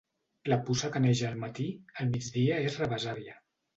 La puça que neix al matí, al migdia és rebesàvia.